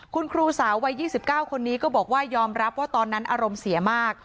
คุณครูสาววัย๒๙คนนี้ก็บอกว่ายอมรับว่าตอนนั้นอารมณ์เสียมาก